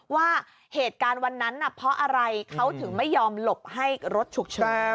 ว่าเหตุการณ์วันนั้นเพราะอะไรเขาถึงไม่ยอมหลบให้รถฉุกเฉิน